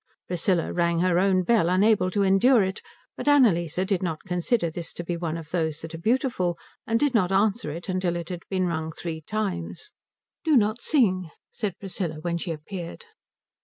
Priscilla rang her own bell, unable to endure it, but Annalise did not consider this to be one of those that are beautiful and did not answer it till it had been rung three times. "Do not sing," said Priscilla, when she appeared.